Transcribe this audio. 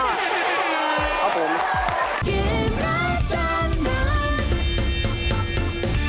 ครับผม